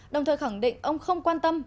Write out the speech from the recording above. đồng thời khẳng định ông không quan tâm